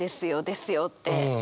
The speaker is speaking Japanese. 「ですよ」って。